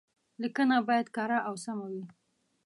ليکنه بايد کره او سمه وي.